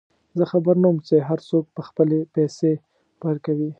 زه خبر نه وم چې هرڅوک به خپلې پیسې ورکوي.